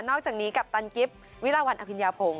อกจากนี้กัปตันกิฟต์วิลาวันอภิญญาพงศ